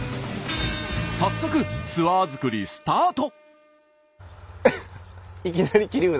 早速ツアー作りスタート。